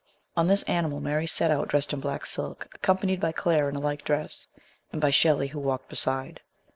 On this animal Mary set out dressed in black silk, accompanied by Claire in a like dress, ,and by Shelley who walked beside.